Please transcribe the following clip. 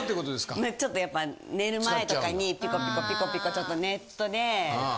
まあちょっとやっぱ寝る前とかにピコピコピコちょっと。